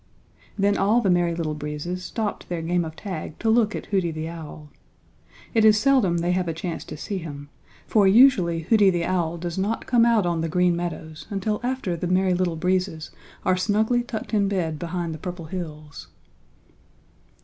Then all the Merry Little Breezes stopped their game of tag to look at Hooty the Owl. It is seldom they have a chance to see him, for usually Hooty the Owl does not come out on the Green Meadows until after the Merry Little Breezes are snugly tucked in bed behind the Purple Hills.